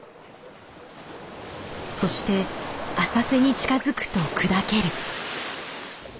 そして浅瀬に近づくと砕ける。